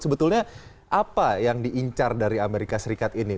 sebetulnya apa yang diincar dari amerika serikat ini